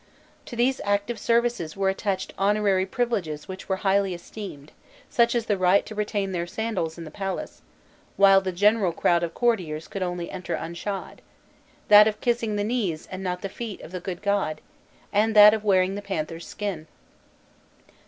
To these active services were attached honorary privileges which were highly esteemed, such as the right to retain their sandals in the palace, while the general crowd of courtiers could only enter unshod; that of kissing the knees and not the feet of the "good god," and that of wearing the panther's skin.